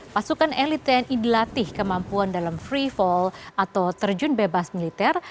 pasukan elit tni dilatih kemampuan dalam free fall atau terjun bebas militer